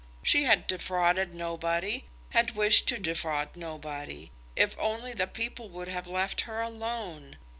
She had defrauded nobody, had wished to defraud nobody, if only the people would have left her alone.